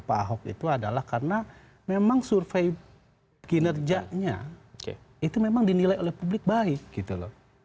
pak ahok itu adalah karena memang survei kinerjanya itu memang dinilai oleh publik baik gitu loh